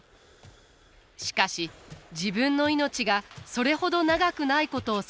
しかし自分の命がそれほど長くないことを悟ります。